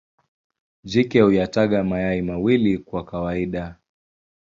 Jike huyataga mayai mawili kwa kawaida.